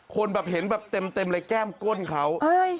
คนแบบเห็นแบบเต็มเลยแก้มก้นเขา